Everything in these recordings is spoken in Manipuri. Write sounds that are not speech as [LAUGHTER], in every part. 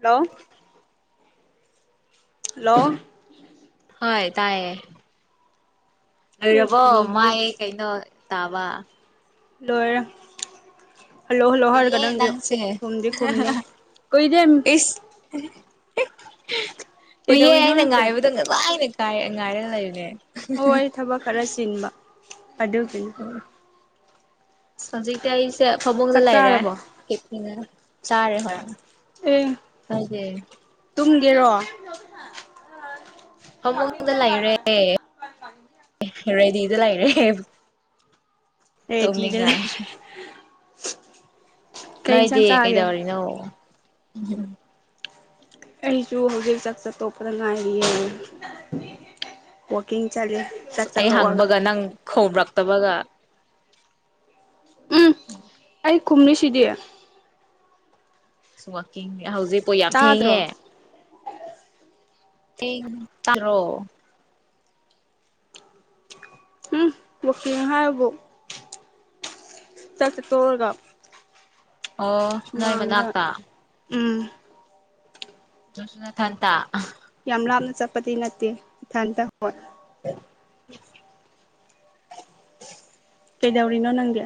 ꯍꯜꯂꯣ ꯍꯜꯂꯣ ꯍꯣꯏ ꯇꯥꯏꯌꯦ ꯑꯦ ꯂꯣꯏꯔꯕꯣ ꯈꯨꯝꯗꯤꯌꯦ ꯃꯥꯏ ꯀꯩꯅꯣ ꯇꯥꯕ ꯂꯣꯏꯔꯦ ꯍꯜꯂꯣ ꯍꯜꯂꯣ ꯍꯥꯔꯒ ꯀꯨꯏꯌꯦ ꯅꯪꯗꯤ ꯅꯪꯁꯦ ꯈꯨꯝꯗꯤ ꯈꯨꯝꯗꯦ ꯀꯨꯏꯗꯦ ꯍꯦꯛ ꯍꯥ ꯀꯨꯏꯌꯦ ꯀꯩꯗꯧꯔꯤꯅꯣ ꯑꯩꯅ ꯅꯪꯗꯤ ꯉꯥꯏꯕꯗꯣ ꯉꯁꯥꯏꯅ ꯉꯥꯢ ꯉꯥꯏꯔꯒ ꯂꯩꯕꯅꯦ ꯍꯣꯏ ꯊꯕꯛ ꯈꯔ ꯆꯤꯟꯕ ꯑꯗꯨꯒꯤꯅꯤ ꯍꯧꯖꯤꯛꯇꯤ ꯑꯩꯁꯦ ꯐꯃꯨꯡꯗ ꯆꯥꯛ ꯂꯩꯔꯦ ꯆꯥꯔꯕꯣ ꯆꯥꯔꯦ ꯍꯣꯏ ꯀꯥꯢꯗꯦ ꯇꯦꯔꯣ ꯐꯃꯨꯡꯗ ꯂꯩꯔꯦ ꯔꯦꯗꯤꯗ ꯂꯩꯔꯦ ꯍꯦ ꯔꯦꯗꯤꯗ ꯂꯩ ꯍꯦꯍꯦ ꯅꯣꯏꯗꯤ ꯀꯩ ꯗꯧꯔꯤꯅꯣ ꯑꯩꯁꯨ ꯍꯧꯖꯤꯛ ꯆꯥꯛ ꯆꯥꯇꯣꯛꯄꯗ ꯉꯥꯏꯔꯤꯌꯦ ꯋꯥꯀꯤꯡ ꯑꯁ ꯑꯩ ꯍꯪꯕꯒ ꯅꯪ ꯈꯨꯝꯔꯛꯇꯕꯒ ꯎꯝ ꯑꯩ ꯈꯨꯝꯃꯤꯁꯤꯗꯤ ꯑꯁ ꯋꯥꯀꯤꯡ ꯍꯧꯖꯤꯛ ꯀꯣ ꯌꯥꯝ ꯇꯥꯗ꯭ꯔꯣ ꯊꯦꯡꯉꯦ ꯊꯦꯡ ꯇꯥꯗꯔꯣ ꯃꯨꯛꯇꯤꯅ ꯍꯥꯏꯕꯕꯨ ꯆꯥꯛ ꯆꯥ ꯇꯣꯛꯂꯒ ꯑꯣ ꯅꯣꯏ ꯃꯅꯥꯛꯇ ꯎꯝ ꯑꯗꯨꯁꯨ ꯅꯊꯟꯇ ꯌꯥꯝ ꯂꯥꯞꯅ ꯆꯠꯄꯗꯤ ꯅꯠꯇꯦ ꯏꯊꯟꯇ ꯍꯣꯏ [INAUDIBLE] [INAUDIBLE] ꯀꯩꯗꯧꯔꯤꯅꯣ ꯅꯪꯗꯤ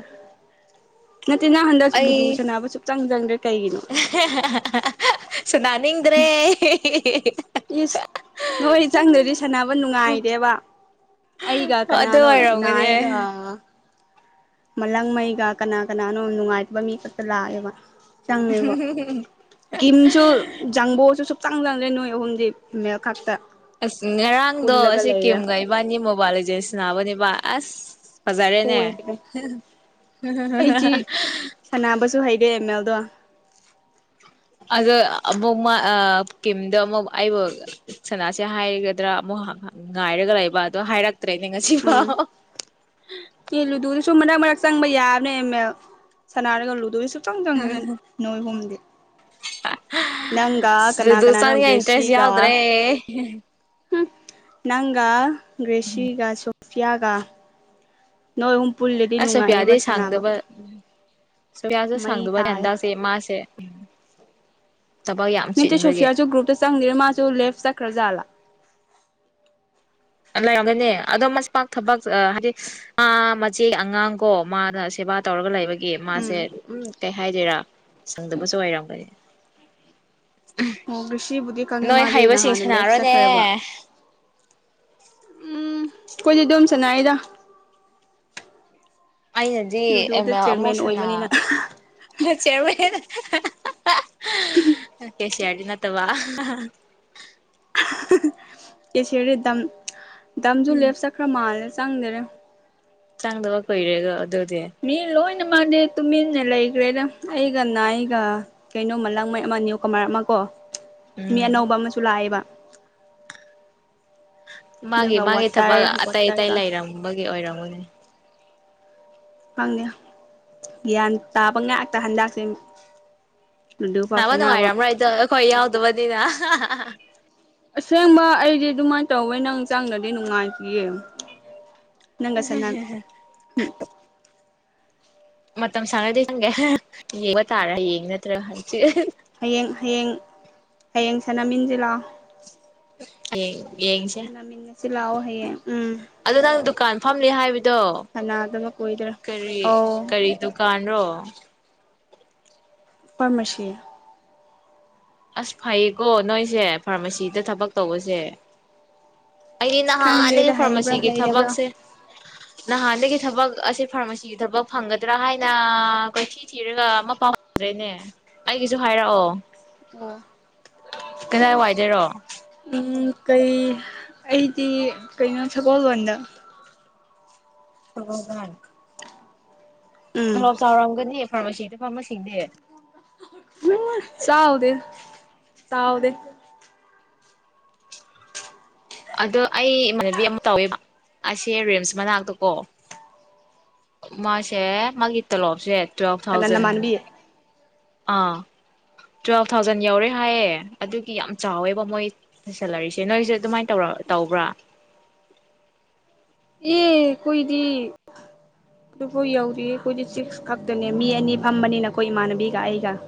ꯅꯠꯇꯦ ꯅꯪ ꯍꯟꯗꯛ ꯑꯩ ꯂꯨꯗꯨ ꯁꯥꯟꯅꯕ ꯁꯨꯞꯆꯪ ꯆꯪꯗ꯭ꯔꯦ ꯀꯩꯒꯤꯅꯣ ꯁꯅꯥꯅꯤꯡꯗ꯭ꯔꯦ ꯏꯁ ꯅꯣꯏ ꯆꯪꯗ꯭ꯔꯗꯤ ꯁꯥꯟꯅꯕ ꯅꯨꯡꯉꯥꯏꯇꯦꯕ ꯑꯩꯒ ꯑꯗꯨ ꯀꯅꯅꯣ ꯑꯣꯏꯔꯝꯒꯅꯦ ꯅꯥꯏꯒ ꯃꯂꯪꯃꯩꯒ ꯀꯅꯥ ꯀꯅꯥꯅꯣ ꯅꯨꯡꯉꯥꯏꯇꯕ ꯃꯤ ꯈꯛꯇ ꯂꯥꯛꯑꯦꯕ ꯆꯪꯉꯦꯕꯣ ꯀꯤꯝꯁꯨ ꯖꯪꯕꯣꯁꯨ ꯁꯨꯛ ꯆꯪꯗꯕꯅꯦ ꯅꯣꯏ ꯑꯍꯨꯝꯗꯤ ꯃꯦꯜ ꯈꯛꯇ ꯑꯁ ꯉꯔꯥꯡꯗꯣ ꯄꯨꯜꯂꯒ ꯂꯩꯔꯦ ꯁꯤꯀꯤꯝꯒ ꯏꯕꯥꯅꯤ ꯃꯣꯕꯥꯏꯜ ꯂꯤꯖꯦꯟ ꯁꯅꯕꯅꯦꯕ ꯑꯁ ꯐꯖꯔꯦꯅꯦ ꯁꯣꯏꯗ꯭ꯔꯦ ꯒꯦꯃꯦꯜꯗꯣ ꯑꯗꯣ ꯑꯃꯨꯛ ꯃꯥ ꯑ ꯀꯤꯝꯗꯣ ꯑꯃꯨꯛ ꯑꯩꯕꯨ ꯁꯅꯥꯁꯦ ꯍꯥꯏꯒꯗ꯭ꯔꯥ ꯑꯃꯨꯛ ꯉꯥꯏꯔꯒ ꯂꯩꯕ ꯑꯗꯣ ꯍꯥꯏꯔꯛꯇ꯭ꯔꯦꯅꯦ ꯉꯁꯤ ꯎꯝ ꯐꯥꯎ ꯑꯦ ꯂꯨꯗꯨꯗꯨꯁꯨ ꯃꯔꯛ ꯃꯔꯛ ꯆꯪꯕ ꯌꯥꯕꯅꯦ ꯃꯦꯜ ꯁꯅꯔꯒ ꯂꯨꯗꯨꯁꯨ ꯆꯪꯗꯕꯅꯦ ꯅꯣꯏ ꯑꯍꯨꯝꯗꯤ ꯅꯪꯒ ꯀꯅꯥ ꯂꯨꯗꯨ ꯀꯅꯥꯅꯣ ꯆꯪꯅꯤꯉꯥꯢ ꯏꯟꯇ꯭ꯔꯦꯁ ꯒ꯭ꯔꯦꯁꯤꯒ ꯌꯥꯎꯗ꯭ꯔꯦ ꯍꯨꯝ ꯅꯪꯒ ꯒ꯭ꯔꯦꯁꯤꯒ ꯁꯣꯐꯤꯌꯥꯒ ꯅꯣꯏ ꯍꯨꯝ ꯑꯁ ꯁꯣꯐꯤꯌꯥꯗꯤ ꯁꯥꯡꯗꯕ ꯁꯣꯐꯤꯌꯥꯁꯨ ꯃꯩ ꯁꯥꯡꯗꯕꯅꯦ ꯇꯥꯏꯌꯦ ꯍꯟꯗꯛꯖꯦ ꯃꯥꯁꯦ ꯊꯕꯛ ꯌꯥꯝ ꯅꯠꯇꯦ ꯆꯤꯟꯕꯒꯤ ꯁꯣꯐꯤꯌꯥꯁꯨ ꯒ꯭ꯔꯨꯞꯇ ꯆꯪꯗꯦ ꯃꯥꯁꯨ ꯂꯦꯐ ꯆꯠꯈ꯭ꯔꯥ ꯖꯥꯠꯂꯥ ꯂꯩꯔꯝꯒꯅꯦ ꯑꯗꯣ ꯃꯁꯥ ꯊꯕꯛ ꯍꯥꯏꯗꯤ ꯃꯥ ꯃꯆꯦ ꯑꯉꯥꯡ ꯀꯣ ꯃꯥꯅ ꯁꯦꯕꯥ ꯇꯧꯔ ꯇꯧꯔꯒ ꯂꯩꯕꯒꯤ ꯃꯥꯁꯦ ꯎꯝ ꯑꯗꯨꯝ ꯀꯩ ꯍꯥꯏꯗꯣꯏꯔꯥ ꯁꯪꯗꯕꯁꯨ ꯑꯣꯏꯔꯝꯒꯅꯤ ꯑꯣ ꯒ꯭ꯔꯦꯁꯤꯕꯨꯗꯤ ꯈꯪꯉꯦ ꯅꯣꯏ ꯃꯥꯗꯤ ꯍꯩꯕꯁꯤꯡ ꯅꯍꯥꯟꯅ ꯂꯦꯞ ꯆꯠꯈ꯭ꯔꯦꯕ ꯁꯥꯟꯅꯔꯣꯅꯦ ꯎꯝ ꯑꯈꯣꯏꯗꯤ ꯑꯗꯨꯝ ꯁꯅꯥꯏꯌꯦꯗ ꯑꯩꯅꯗꯤ ꯑꯦꯝ ꯑꯦꯜ ꯑꯃꯨꯛ ꯁꯅꯥ ꯑꯣꯏꯕꯅꯤꯅ ꯆꯤꯔꯃꯦꯟ ꯒꯦꯁꯤꯌꯔꯗꯤ ꯅꯠꯇ ꯕ ꯀꯦꯁꯤꯌꯔꯗꯤ ꯇꯝ ꯗꯝꯁꯨ ꯂꯦꯞ ꯆꯠꯈ꯭ꯔ ꯃꯥꯜꯂꯦ ꯆꯪꯗꯔꯦ ꯆꯪꯗꯕ ꯀꯨꯏꯔꯦꯀꯣ ꯑꯗꯨ ꯃꯤ ꯂꯣꯏ ꯅ ꯃꯥꯛꯇꯤ ꯇꯨꯃꯤꯟꯅ ꯂꯩꯈ꯭ꯔꯦꯗ ꯑꯩꯒ ꯅꯥꯢꯒ ꯀꯩꯅꯣꯃ ꯂꯪꯃꯩ ꯑꯃ ꯅꯤꯌꯨ ꯀꯃꯔ ꯑꯃ ꯀꯣ ꯃꯤ ꯎꯝ ꯑꯅꯧꯕ ꯑꯃꯁꯨ ꯂꯥꯛꯑꯦꯕ ꯃꯥꯒꯤ ꯑꯗꯨꯒ ꯃꯥꯒꯤ ꯊꯕꯛ ꯋꯥꯇꯔ ꯑꯇꯩ ꯑꯇꯩ ꯋꯥꯇꯔꯒ ꯂꯩꯔꯝꯕꯒꯤ ꯑꯣꯏꯔꯝꯒꯅꯤ ꯈꯪꯅꯦ ꯒ꯭ꯌꯥꯟ ꯇꯥꯕ ꯉꯥꯛꯇ ꯍꯟꯗꯛꯁꯦ ꯂꯨꯗꯨ ꯐꯥꯎ ꯁꯅꯕ ꯁꯥꯟꯅꯕ ꯅꯨꯡꯉꯥꯏꯔꯝꯃꯔꯣꯏꯗꯣ ꯑꯩꯈꯣꯏ ꯆꯪꯗꯦ ꯌꯥꯎꯗꯕꯅꯤꯅ ꯑꯁꯦꯡꯕ ꯑꯩꯗꯤ ꯑꯗꯨꯃꯥꯏꯅ ꯇꯧꯋꯦ ꯅꯪ ꯆꯪꯒ꯭ꯔꯗꯤ ꯅꯨꯡꯉꯥꯏꯇꯤꯌꯦ ꯅꯪꯒꯥ ꯁꯅ ꯎ ꯃꯇꯝ ꯁꯥꯡꯉꯗꯤ ꯆꯪꯒꯦ ꯌꯦꯡꯕ ꯇꯥꯔꯦ ꯍꯌꯦꯡ ꯅꯠꯇ꯭ꯔ ꯍꯪꯆꯤꯠ ꯍꯌꯦꯡ ꯍꯌꯦꯡ ꯍꯌꯦꯡ ꯁꯅꯃꯤꯟꯖꯤ ꯂꯥꯎ ꯍꯌꯦꯡ ꯌꯦꯡꯁꯦ ꯁꯅꯃꯤꯅꯁꯤ ꯂꯥꯛꯑꯣ ꯍꯌꯦꯡ ꯎꯝ ꯑꯗ ꯅꯪ ꯗꯨꯀꯥꯟ ꯐꯝꯅꯤ ꯍꯥꯏꯕꯗꯣ ꯁꯥꯟꯅꯗꯕ ꯀꯨꯏꯗ꯭ꯔꯦ ꯀꯔꯤ ꯑꯧ ꯀꯔꯤ ꯗꯨꯀꯥꯟꯔꯣ ꯐꯔꯃꯁꯤ ꯑꯁ ꯐꯩꯌꯦꯀꯣ ꯅꯣꯏꯁꯦ ꯐꯥꯔꯃꯥꯁꯤꯗ ꯊꯕꯛ ꯇꯧꯕꯁꯦ ꯑꯩꯗꯤ ꯑꯁ ꯅꯍꯥꯟꯗꯒꯤ ꯈꯪꯗꯦꯗ ꯍꯩꯕ꯭ꯔꯥ ꯐꯥꯔꯃꯥꯁꯤꯒꯤ ꯍꯩꯇꯕ꯭ꯔꯥ ꯊꯕꯛꯁꯦ ꯅꯍꯥꯟꯗꯒꯤ ꯊꯕꯛ ꯑꯁꯦ ꯐꯥꯔꯃꯥꯁꯤꯒꯤ ꯊꯕꯛ ꯐꯪꯒꯗ꯭ꯔꯥ ꯍꯥꯏꯅ ꯀꯣꯏꯊꯤ ꯊꯤꯔꯒ ꯑꯃ ꯄꯥꯎ ꯐꯪꯗ꯭ꯔꯦꯅꯦ ꯑꯩꯒꯤꯁꯨ ꯍꯥꯏꯔꯛꯑꯣ ꯑꯣ ꯀꯗꯥꯏ ꯋꯥꯏꯗꯔꯣ ꯎ ꯀꯩ ꯑꯩꯗꯤ ꯀꯩꯅꯣ ꯁꯒꯣꯜꯕꯟꯗ ꯁꯒꯣꯟꯕꯟ ꯎꯝ ꯇꯣꯂꯣꯞ ꯆꯥꯎꯔꯝꯒꯅꯤ ꯐꯥꯔꯃꯥꯁꯤꯗ ꯐꯝꯕꯁꯤꯡꯗꯤ ꯆꯥꯎꯗꯦ ꯆꯥꯎꯗꯦ ꯑꯗꯣ ꯑꯩ ꯏꯃꯥꯟꯅꯕꯤ ꯑꯃ ꯇꯧꯋꯦꯕ ꯑꯁꯦ ꯔꯤꯝꯁ ꯃꯅꯥꯛꯇ ꯀꯣ ꯃꯥꯁꯦ ꯃꯥꯒꯤ ꯇꯂꯣꯞꯁꯦ ꯇꯨꯋꯦꯜꯞ ꯀꯅꯥ ꯊꯥꯎꯖꯟ ꯅꯃꯥꯟꯅꯕꯤ ꯑꯦ ꯑꯥ ꯇꯨꯋꯦꯜꯐ ꯊꯥꯎꯖꯟ ꯌꯧꯔꯦ ꯍꯥꯏꯌꯦ ꯑꯗꯨꯒꯤ ꯌꯥꯝ ꯆꯥꯎꯋꯦꯕ ꯃꯣꯏ ꯁꯦꯂꯔꯤꯁꯦ ꯅꯣꯏꯁꯦ ꯑꯗꯨꯃꯥꯏꯅ ꯇꯧꯔꯝ ꯇꯧꯕ꯭ꯔꯥ ꯑꯦ ꯑꯈꯣꯏꯗꯤ ꯑꯗꯨꯕꯨ ꯌꯧꯗꯤꯌꯦ ꯑꯩꯈꯣꯏꯗꯤ ꯁꯤꯛꯁ ꯈꯛꯇꯅꯦ ꯃꯤ ꯑꯅꯤ ꯐꯝꯕꯅꯤꯅ ꯑꯩꯈꯣꯏ ꯏꯃꯥꯟꯅꯕꯤꯒ ꯑꯩꯒ [INAUDIBLE]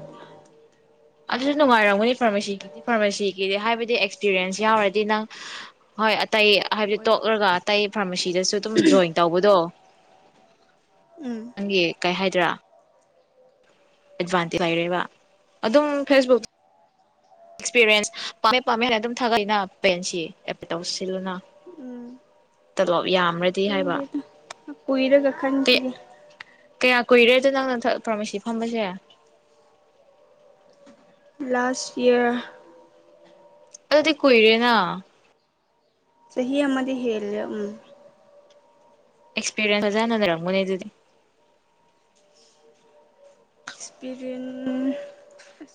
ꯑꯗꯨꯁꯨ ꯅꯨꯡꯉꯥꯏꯔꯝꯒꯅꯤ ꯐꯥꯔꯃꯥꯁꯤꯒꯤꯗꯤ ꯐꯥꯔꯃꯥꯁꯤꯒꯤꯗꯤ ꯍꯥꯏꯕꯗꯤ ꯑꯦꯛꯁꯄꯤꯔꯤꯌꯦꯟꯁ ꯌꯥꯎꯔꯗꯤ ꯅꯪ ꯍꯣꯏ ꯑꯇꯩ ꯍꯥꯏꯕꯗꯤ ꯍꯣꯏ ꯇꯣꯛꯂꯒ ꯑꯇꯩ ꯐꯥꯔꯃꯥꯁꯤꯗꯁꯨ ꯑꯗꯨꯝ ꯖꯣꯏꯟ ꯇꯧꯕꯗꯣ [INAUDIBLE] ꯎꯝ ꯅꯪꯒꯤ ꯀꯩ ꯍꯥꯏꯗ꯭ꯔꯥ ꯑꯦꯗꯚꯥꯟꯇꯤ ꯂꯩꯔꯦꯕ ꯑꯗꯨꯝ ꯐꯦꯁꯕꯨꯛ ꯑꯦꯛꯁꯄꯤꯔꯤꯌꯦꯟꯁ ꯄꯥꯝꯃꯦ ꯄꯥꯝꯃꯦ ꯍꯥꯏꯅ ꯑꯗꯨꯝ ꯊꯥꯒꯠꯂꯤꯅ ꯄꯦꯟꯁꯤ ꯑꯦꯄꯤ ꯇꯧꯁꯤꯜꯅ ꯎꯝ ꯇꯂꯣꯞ ꯌꯥꯝꯔꯗꯤ ꯍꯥꯏꯕ ꯀꯨꯢꯔꯒ ꯈꯟꯈꯤꯒꯦ ꯀꯌꯥ ꯀꯨꯏꯔꯦꯗꯣ ꯅꯪꯅ ꯐꯥꯔꯃꯤꯁꯤ ꯐꯝꯕꯁꯦ ꯂꯥꯁ ꯏꯌꯔ ꯑꯗꯨꯗꯤ ꯀꯨꯏꯔꯦꯅ ꯆꯍꯤ ꯑꯃꯗꯤ ꯍꯦꯜꯂꯦ ꯎꯝ ꯑꯦꯛꯁꯄꯤꯔꯤꯌꯦꯟꯁ ꯐꯖꯅ ꯂꯩꯔꯝꯒꯅꯤ ꯑꯗꯨꯗꯤ ꯑꯦꯛꯁꯄꯤꯔꯤꯟ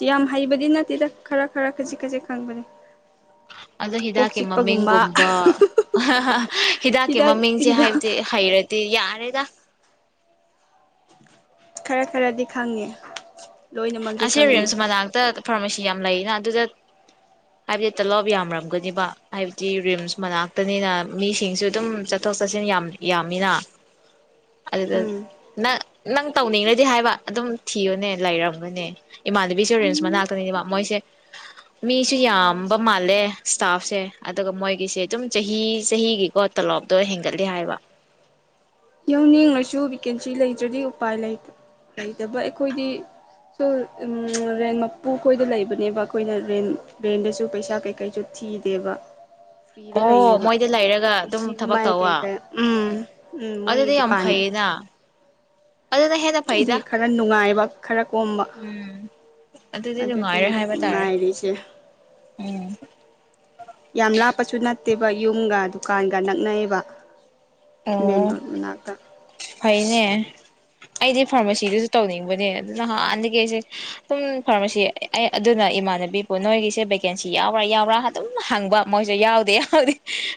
ꯌꯥꯝ ꯍꯩꯕꯗꯤ ꯅꯠꯇꯦꯗ ꯈꯔ ꯈꯔ ꯈꯖꯤꯛ ꯈꯖꯤꯛ ꯈꯪꯕꯅꯦ ꯑꯗꯣ ꯀꯣꯛ ꯍꯤꯗꯥꯛꯀꯤ ꯆꯤꯛꯄꯒꯨꯝꯕ ꯃꯃꯤꯡꯒꯨꯝꯕ [UNINTELLIGIBLE] ꯍꯤꯗꯥꯛꯀꯤ ꯍꯤꯗꯥꯛ ꯃꯃꯤꯡꯁꯦ ꯍꯤꯗꯥꯛ ꯍꯥꯏꯕꯗꯤ ꯍꯩꯔ ꯗꯤ ꯌꯥꯔꯦꯗ ꯈꯔ ꯈꯔꯗꯤ ꯈꯪꯉꯦ ꯂꯣꯏꯅꯃꯛꯇꯤ ꯑꯁꯤ ꯈꯪꯗꯦ ꯔꯤꯜꯁ ꯃꯅꯥꯛꯇ ꯐꯥꯔꯃꯥꯁꯤ ꯌꯥꯝ ꯂꯩꯅ ꯑꯗꯨꯗ ꯍꯥꯏꯕꯗꯤ ꯇꯂꯣꯞ ꯌꯥꯝꯔꯝꯒꯅꯤꯕ ꯍꯥꯏꯕꯗꯤ ꯔꯤꯝꯁ ꯃꯅꯥꯛꯇꯅꯤꯅ ꯃꯤꯁꯤꯡꯁꯨ ꯑꯗꯨꯝ ꯆ ꯊꯣꯛ ꯆꯠꯁꯤꯟ ꯌꯥꯝ ꯌꯥꯝꯃꯤꯅ ꯑꯗꯨꯗ ꯎꯝ ꯅꯪ ꯅꯪ ꯇꯧꯅꯤꯡꯔꯗꯤ ꯍꯥꯏꯕ ꯑꯗꯨꯝ ꯊꯤꯌꯨꯅꯦ ꯂꯩꯔꯝ ꯅꯦ ꯏꯃꯥꯟꯅꯕꯤꯁꯨ ꯔꯤꯝꯁ ꯃꯅꯥꯥꯛꯇꯅꯤꯕ ꯃꯣꯏꯁꯦ ꯃꯤꯁꯨ ꯑꯣ ꯌꯥꯝꯕ ꯃꯥꯜꯂꯦ ꯁ꯭ꯇꯥꯐꯁꯦ ꯑꯗꯨꯒ ꯃꯣꯏꯒꯤꯁꯦ ꯑꯗꯨꯝ ꯆꯍꯤ ꯆꯍꯤꯒꯤꯀꯣ ꯇꯞ ꯂꯣꯞꯇꯣ ꯍꯦꯟꯒꯠꯂꯤ ꯍꯥꯏꯕ [INAUDIBLE] ꯌꯥꯎꯅꯤꯡꯂꯁꯨ ꯚꯦꯀꯦꯟꯁꯤ ꯂꯩꯇ꯭ꯔꯗꯤ ꯎꯄꯥꯏ ꯂꯩꯇ ꯂꯩꯇꯕ ꯑꯩꯈꯣꯏꯗꯤ ꯁꯨꯝ ꯎꯝ ꯔꯦꯟ ꯃꯄꯨ ꯈꯣꯢꯗꯨ ꯂꯩꯕꯅꯦꯕ ꯑꯩꯈꯣꯏꯅ ꯔꯦꯟ ꯔꯦꯟꯗꯁꯨ ꯄꯩꯁꯥ ꯀꯩꯀꯩꯁꯨ ꯊꯤꯗꯦꯕ ꯐ꯭ꯔꯤꯗ ꯑꯣ ꯂꯩꯌꯦꯕ ꯃꯣꯏꯗ ꯂꯩꯔꯒ ꯑꯗꯨꯝ ꯏꯁꯤꯡ ꯊꯕꯛ ꯃꯩ ꯇꯧꯋ ꯀꯩꯀ ꯎꯝ ꯎꯝ ꯃꯣꯏꯒꯤ ꯑꯗꯨꯗꯤ ꯌꯥꯝ ꯗꯨꯀꯥꯟ ꯐꯩꯌꯦꯅ ꯑꯗꯨꯅ ꯍꯦꯟꯅ ꯐꯩꯗ ꯑꯗꯨꯒꯤ ꯈꯔ ꯅꯨꯡꯉꯥꯏꯕ ꯈꯔ ꯀꯣꯝꯕ ꯎꯝ ꯑꯗꯨꯗꯤ ꯅꯨꯡꯉꯥꯏꯔꯦ ꯑꯗꯨꯗꯨꯅꯤꯗ ꯍꯥꯏꯕ ꯇꯥꯔꯦ ꯅꯨꯡꯉꯥꯏꯔꯤꯁꯦ ꯎꯝ ꯌꯥꯝ ꯂꯥꯞꯄꯁꯨ ꯅꯠꯇꯦꯕ ꯌꯨꯝꯒ ꯗꯨꯀꯥꯟꯒ ꯅꯛꯅꯩꯌꯦꯕ ꯃꯦꯟ ꯑꯣ ꯔꯣꯗ ꯃꯅꯥꯛꯇ ꯐꯩꯅꯦ ꯑꯩꯗꯤ ꯐꯥꯔꯃꯥꯁꯤꯗꯁꯨ ꯇꯧꯅꯤꯡꯕꯅꯦ ꯑꯗꯨ ꯍꯥꯟꯅꯗꯒꯤ ꯑꯩꯁꯦ ꯁꯨꯝ ꯐꯥꯔꯃꯥꯁꯤ ꯑꯩ ꯑꯗꯨꯅ ꯏꯃꯥꯟꯅꯕꯤꯕꯨꯨ ꯅꯣꯏꯒꯤꯁꯦ ꯚꯦꯀꯦꯟꯁꯤ ꯌꯥꯎꯕ꯭ꯔꯥ ꯌꯥꯎꯕ꯭ꯔꯥ ꯑꯗꯨꯝ ꯍꯪꯕ ꯃꯣꯏꯁꯨ ꯌꯥꯎꯗꯦ ꯌꯥꯎꯗꯦ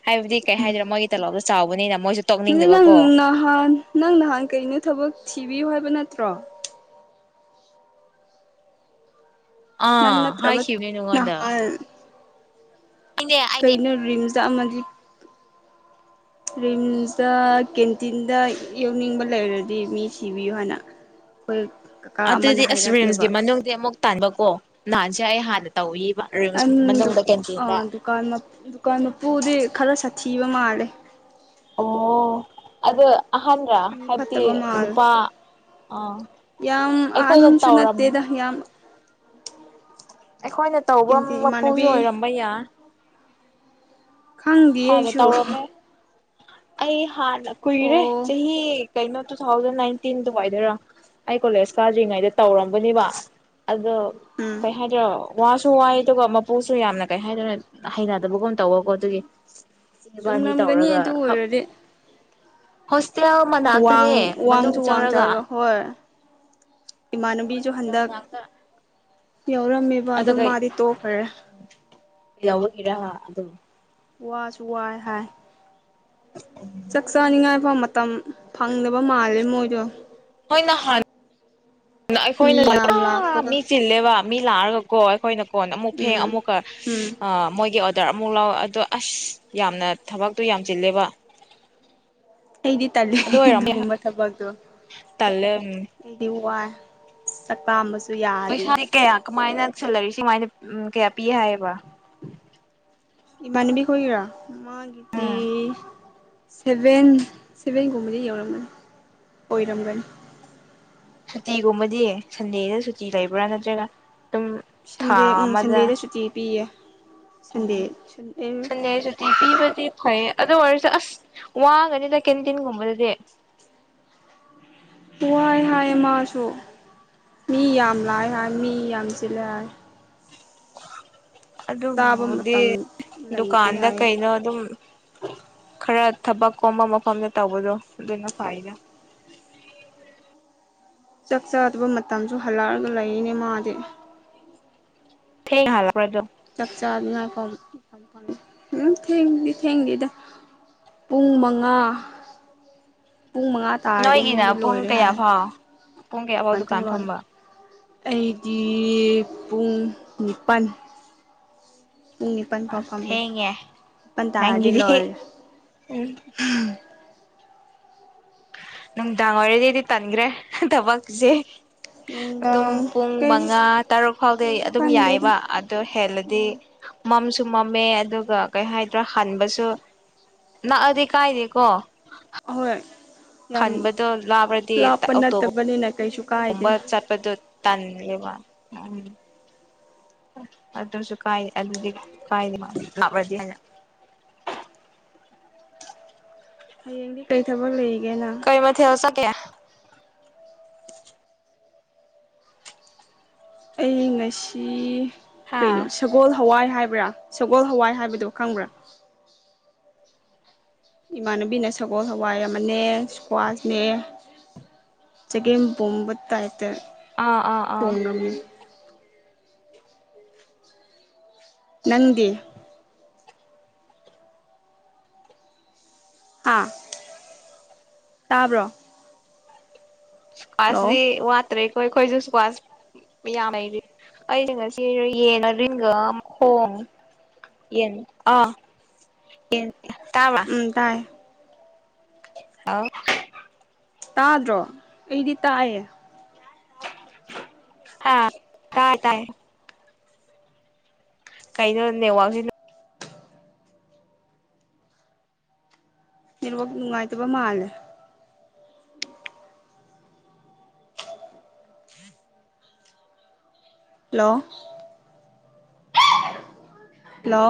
ꯍꯥꯏꯕꯗꯤ ꯀꯩ ꯍꯥꯏꯗꯣꯢꯔ ꯃꯣꯢꯒꯤ ꯇꯂꯣꯞꯇꯣ ꯆꯥꯎꯕꯅꯤꯅ ꯃꯣꯏꯁꯨ ꯑꯗꯨ ꯅꯪ ꯇꯣꯛꯅꯤꯡꯗꯕꯀꯣ ꯅꯍꯥꯟ ꯅꯪ ꯅꯍꯥꯟ ꯀꯩꯅꯣ ꯊꯕꯛ ꯊꯤꯕꯤꯌꯨ ꯍꯥꯏꯕ ꯅꯠꯇ꯭ꯔꯣ ꯅꯪ ꯑꯥ ꯅꯠꯇ꯭ꯔꯕ ꯍꯥꯏꯈꯤꯕꯅꯦ ꯅꯪꯉꯣꯟꯗ ꯅꯍꯥꯟ ꯀꯩꯅꯣ ꯔꯤꯝꯁꯇ ꯑꯃꯗꯤ ꯔꯤꯝꯁꯇ ꯀꯦꯟꯇꯤꯟꯗ ꯌꯧꯅꯤꯡꯕ ꯂꯩꯔꯗꯤ ꯃꯤ ꯊꯤꯕꯤꯌꯨ ꯍꯥꯏꯅ ꯍꯣꯏ ꯑꯗꯨꯗꯤ ꯑꯁ ꯔꯤꯝꯁꯀꯤ ꯃꯅꯨꯡꯗꯤ ꯑꯃꯨꯛ ꯇꯥꯟꯕꯀꯣ ꯅꯍꯥꯟꯁꯦ ꯑꯩ ꯍꯥꯟꯅ ꯇꯧꯏ ꯑꯟ ꯗꯨ ꯑꯥ ꯗꯨꯀꯥꯟ ꯃꯠ ꯗꯨꯀꯥꯟ ꯃꯄꯨꯗꯤ ꯈꯔ ꯁꯥꯊꯤꯕ ꯃꯥꯜ ꯂꯦ ꯑꯣ ꯑꯗꯨ ꯑꯍꯟꯔ ꯃꯤ ꯍꯥꯏꯕꯗꯤ ꯐꯠꯇꯕ ꯃꯥꯜꯂꯦ ꯅꯨꯄꯥ ꯑꯥ ꯌꯥꯝ ꯑꯩꯈꯣꯏꯗ ꯑꯍꯟꯁꯨ ꯇꯧꯔꯝ ꯅꯠꯇꯦꯗ ꯌꯥꯝ ꯑꯩꯈꯣꯏꯅ ꯇꯧꯕ ꯀꯤꯟꯇꯤ ꯃꯄꯨꯁꯨ ꯏꯃꯥꯟꯅꯕꯤ ꯑꯣꯏꯔꯝꯕ ꯌꯥꯏ ꯈꯪꯗꯤꯌꯦ ꯍꯥꯟꯅ ꯑꯩꯁꯨ ꯇꯧꯔꯝꯃꯦ ꯑꯩ ꯍꯥꯟꯅ ꯀꯨꯏꯔꯦ ꯑꯣ ꯆꯍꯤ ꯀꯩꯅꯣ ꯇꯨ ꯊꯥꯎꯖꯟ ꯅꯥꯏꯟꯇꯤꯟꯗꯨꯋꯥꯏꯗꯔ ꯑꯩ ꯀꯣꯂꯦꯖ ꯀꯥꯗ꯭ꯔꯤꯉꯩꯗ ꯇꯧꯔꯝꯕꯅꯦꯕ ꯑꯗꯣ ꯎꯝ ꯀꯩ ꯍꯥꯏꯗꯣꯏꯔꯣ ꯋꯥꯁꯨ ꯋꯥꯏ ꯑꯗꯨꯒ ꯃꯄꯨꯁꯨ ꯌꯥꯝꯅ ꯀꯩ ꯍꯥꯏꯗꯣꯏꯔ ꯍꯩꯅꯗꯕꯒꯨꯝ ꯇꯧꯕꯀꯣ ꯑꯗꯨꯒꯤ ꯏꯕꯥꯟꯅꯤ ꯆꯨꯝꯔꯝꯒꯅꯤ ꯇꯧꯔꯒ ꯑꯗꯨ ꯍꯛ ꯑꯣꯏꯔꯗꯤ ꯍꯣꯁ ꯋꯥꯡ ꯋꯤꯡꯁꯨ ꯋꯥꯡ ꯆꯥꯎꯔꯒ ꯍꯣꯏ ꯏꯃꯥꯟꯅꯕꯤꯁꯨ ꯕꯣꯏꯁ ꯍꯣꯁꯇꯦꯜ ꯍꯟꯗꯛ ꯃꯅꯥꯛꯇ ꯌꯥꯎꯔꯝꯃꯦꯕ ꯑꯗꯨ ꯑꯗꯨꯒ ꯃꯥꯗꯤ ꯇꯣꯛꯈꯔꯦ ꯌꯥꯎꯕꯒꯤꯔꯥ ꯍ ꯑꯗꯨꯝ ꯋꯥꯁꯨ ꯋꯥꯏ ꯍꯥꯏ ꯆꯛꯆꯅꯤꯉꯥꯏ ꯐꯥꯎ ꯃꯠ ꯃꯇꯝ ꯐꯪꯗꯕ ꯃꯥꯜꯂꯦ ꯃꯣꯏꯗꯣ ꯃꯣꯏ ꯅꯍꯥꯟ ꯑꯩꯈꯣꯏꯅ ꯃꯤ ꯆ ꯌꯥꯝ [UNINTELLIGIBLE] ꯂꯥꯛꯄꯒ ꯃꯤ ꯆꯤꯜꯂꯦꯕ ꯃꯤ ꯂꯥꯛꯑꯒꯀꯣ ꯑꯩꯈꯣꯏꯅ ꯀꯣꯟ ꯑꯃꯨꯛ ꯐꯦꯡ ꯎꯝ ꯑꯃꯨꯛꯀ ꯎꯝ ꯑ ꯃꯣꯏꯒꯤ ꯑꯣꯗꯔ ꯑꯃꯨꯛ ꯂꯧ ꯑꯗꯣ ꯑꯁ ꯌꯥꯝꯅ ꯊꯕꯛꯇꯣ ꯌꯥꯝꯅꯆꯤꯜꯂꯦꯕ ꯑꯩꯗꯤ ꯇꯜꯂꯦ ꯑꯗꯨꯒꯨꯝꯕ ꯊꯕꯛꯇꯣ ꯇꯜꯂꯦ ꯎꯝ ꯑꯩꯗꯤ ꯋꯥꯏ ꯆꯠꯀꯥꯝꯕ ꯄꯩꯁꯥꯅꯤ ꯀꯌꯥ ꯀꯃꯥꯏꯅ ꯁꯜꯂꯔꯤ ꯃꯥꯏꯅ ꯎꯝ ꯀꯌꯥ ꯄꯤ ꯍꯥꯏꯕ ꯏꯃꯅꯕꯤ ꯈꯤꯏꯒꯤꯔ ꯃꯒꯤꯗꯤ ꯎꯝ ꯁꯚꯦꯟ ꯁꯚꯦꯟꯒꯨꯝꯕꯗꯤ ꯌꯧꯔꯝꯒꯅꯤ ꯑꯣꯏꯔꯝꯒꯅꯤ ꯁꯨꯇꯤꯒꯨꯝꯕꯗꯤ ꯁꯟꯗꯦꯗ ꯁꯨꯇꯤ ꯂꯩꯕ꯭ꯔꯥ ꯅꯠꯇ꯭ꯔꯒ ꯑꯗꯨꯝ ꯊꯥ ꯁꯟꯗꯦ ꯎꯝ ꯁꯟꯗꯦꯗ ꯁꯨꯇꯤ ꯄꯤꯌꯦ ꯁꯟꯗꯦ ꯑꯦ ꯁꯟꯗꯦꯁꯨꯇꯤ ꯄꯤꯕꯗꯤ ꯐꯩꯌꯦ ꯑꯗꯨ ꯑꯣꯏꯔꯁꯨ ꯑꯁ ꯋꯥꯒꯅꯤꯗ ꯀꯦꯟꯇꯤꯟꯒꯨꯝꯕꯗꯗꯤ ꯋꯥꯏ ꯍꯥꯏ ꯃꯁꯨ ꯃꯤ ꯌꯥꯝ ꯂꯥꯛꯑꯦ ꯍꯥꯏ ꯃꯤ ꯌꯥꯝ ꯆꯤꯜꯂꯦ ꯍꯥꯏ ꯑꯗꯨ ꯆꯥꯕ ꯕꯨꯉꯣꯗꯤ ꯃꯇꯝ ꯂꯩꯇꯦ ꯗꯨꯀꯥꯟꯗ ꯍꯥꯏꯌꯦ ꯀꯩꯗ ꯑꯗꯨꯝ ꯈꯔ ꯊꯕꯛ ꯀꯣꯝꯕ ꯃꯐꯝꯗ ꯇꯧꯕꯗꯣ ꯑꯗꯨꯅ ꯐꯩꯗ [INAUDIBLE] ꯆꯥꯛ ꯆꯥꯗꯕ ꯃꯇꯝꯁꯨ ꯍꯜꯂꯛꯑꯒ ꯂꯩꯅꯦ ꯃꯗꯤ ꯊꯦꯡꯅꯍꯜꯂꯛꯄ꯭ꯔ ꯗꯨ ꯆꯥꯛ ꯆꯥꯗꯅ ꯀꯣ ꯎꯝ ꯊꯦꯡꯗꯤ ꯊꯦꯡꯗꯦꯗ ꯄꯨꯡ ꯃꯉꯥ ꯄꯨꯡ ꯃꯉꯥ ꯇꯥꯔꯗꯤ ꯅꯣꯏꯒꯤꯅ ꯃꯣꯏꯗꯤ ꯄꯨꯡ ꯂꯣꯏꯔꯦ ꯀꯌꯥ ꯍꯥꯏ ꯐꯥꯎ ꯄꯨꯡ ꯀꯌꯥꯐꯥꯎ ꯗꯨꯀꯥꯟ ꯊꯣꯡ ꯂꯣꯟꯂꯦ ꯐꯝꯕ ꯑꯩꯗꯤ ꯄꯨꯡ ꯅꯤꯄꯥꯜ ꯄꯨꯡ ꯅꯤꯄꯥꯜ ꯐꯥꯎ ꯑꯁ ꯐꯝꯅꯤ ꯊꯦꯡꯉꯦ ꯄꯟ ꯇꯥꯔꯗꯤ ꯅꯪꯒꯤꯗꯤ ꯂꯣꯏꯔꯦ ꯎꯝ ꯅꯪ ꯅꯨꯡꯗꯥꯡ ꯑꯣꯏꯔꯗꯤ ꯇꯟꯒ꯭ꯔꯦ ꯇꯕꯛꯁꯤ ꯎꯝ ꯑꯗꯨꯝ ꯄꯨꯡ ꯃꯉꯥ ꯇꯔꯨꯛ ꯐꯥꯎꯗꯤ ꯀꯩꯁꯨ ꯑꯗꯨꯝ ꯈꯟꯗꯦꯗ ꯌꯥꯏꯌꯦꯕ ꯑꯗꯨ ꯍꯦꯜꯂꯗꯤ ꯎꯝ ꯃꯝ ꯇꯨꯝꯃꯝꯃꯦ ꯑꯗꯨꯒ ꯀꯩ ꯍꯥꯏꯗ꯭ꯔꯥ ꯍꯟꯕꯁꯨ ꯅꯛꯑꯗꯤ ꯀꯥꯏꯗꯦꯀꯣ ꯍꯣꯏ ꯈꯟꯕꯗꯣ ꯂꯥꯞꯔꯗꯤ ꯑꯣꯇꯣ ꯅꯠꯇꯕꯅꯤꯅ ꯀꯩꯁꯨ ꯒꯨꯝꯕ ꯀꯥꯏꯗꯦ ꯆꯠꯄꯗꯣ ꯇꯜꯂꯦꯕ ꯎꯝ ꯑꯗꯨꯁꯨ ꯀꯥꯏ ꯑꯗꯨꯗꯤ ꯀꯥꯏ ꯊꯥꯞꯂꯗꯤ ꯍꯥꯏꯅ [INAUDIBLE] ꯍꯌꯦꯡꯒꯤ ꯀꯩ ꯊꯕꯛ ꯂꯩ ꯀꯩ ꯃꯊꯦꯜ ꯆꯥꯀꯦ ꯑꯩ ꯉꯁꯤ ꯀꯩꯅꯣ ꯑꯥ ꯁꯒꯣꯜ ꯍꯋꯥꯏ ꯍꯥꯏꯕ꯭ꯔꯥ ꯁꯒꯣꯜ ꯍꯋꯥꯏ ꯍꯥꯏꯕꯗꯨ ꯈꯪꯕ꯭ꯔꯥ ꯏꯃꯥꯟꯅꯕꯤꯅ ꯁꯒꯣꯜ ꯁꯋꯥꯏ ꯑꯃꯅꯦ ꯁ꯭ꯀ꯭ꯋꯥꯁ ꯃꯦ ꯆꯒꯦꯝ ꯄꯣꯝꯕ ꯇꯥꯏꯞ ꯇ ꯑꯥ ꯑꯥ ꯊꯣꯡ ꯉꯝꯃꯤ ꯅꯪꯗꯤ ꯍꯥꯥ ꯇꯥꯕ꯭ꯔꯣ ꯁ꯭ꯀꯋꯥꯁ ꯍꯜꯂꯣ ꯋꯥꯠꯇꯔꯦ ꯑꯈꯣꯏ ꯈꯣꯏꯁꯨ ꯁ꯭ꯀꯋꯥꯁ ꯃꯌꯥꯝ ꯂꯩꯔꯤ ꯑꯩ ꯉꯁꯤ ꯌꯦꯟ ꯃꯔꯤꯟꯒ ꯃꯈꯣꯡ ꯌꯦꯟ ꯑꯥ ꯌꯦꯟ ꯇꯥꯕ꯭ꯔꯥ ꯎꯝ ꯇꯥꯏ ꯍꯥꯎ ꯇꯥꯗ꯭ꯔꯣ ꯑꯩꯗꯤ ꯇꯥꯏꯌꯦ ꯍꯥ ꯇꯥꯏ ꯇꯥꯏ ꯀꯩꯅꯣ ꯅꯦꯠꯋꯥꯛꯁꯤ ꯅꯦꯠꯋꯥꯛ ꯅꯨꯡꯉꯥꯏꯇꯕ ꯃꯥꯜꯂꯦ ꯍꯜꯂꯣ ꯍꯜꯂꯣ